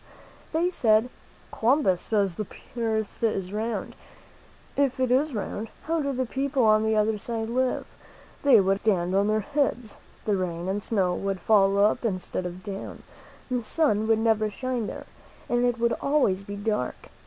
They said: "Columbus says the earth is round. If it is round, how do the peo ple on the other side live? They would have to stand on their heads; the rain and snow would fall up instead of down; the sun would never shine there, and it would always be dark.